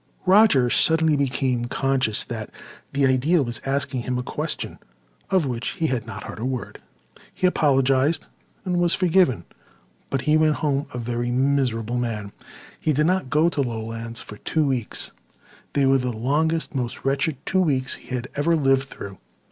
Roger suddenly became conscious that the Ideal was asking him a question of which he had not heard a word. He apologized and was forgiven. But he went home a very miserable man. He did not go to Lowlands for two weeks. They were the longest, most wretched two weeks he had ever lived through.